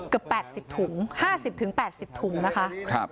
เกือบ๘๐ถุง๕๐๘๐ถุงนะคะ